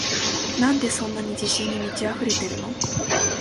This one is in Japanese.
なんでそんなに自信に満ちあふれてるの？